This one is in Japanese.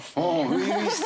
初々しさ。